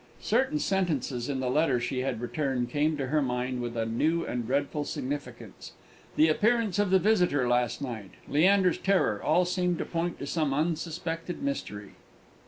Certain sentences in the letter she had returned came to her mind with a new and dreadful significance. The appearance of the visitor last night Leander's terror all seemed to point to some unsuspected mystery.